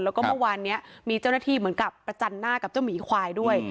แล้วก็เมื่อวานนี้มีเจ้าหน้าที่เหมือนกับประจันหน้ากับเจ้าหมีควายด้วย